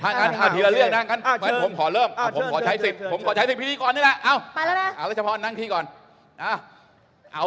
ถ้างั้นทีละเรื่องนะผมขอใช้สิทธิ์พิธีก่อนนี่แหละ